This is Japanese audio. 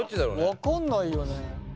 分かんないよね。